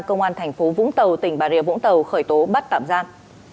công an thành phố vũng tàu tỉnh bà rìa vũng tàu khởi tố bắt tạm gian